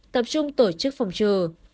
tập trung tổ chức phòng trừ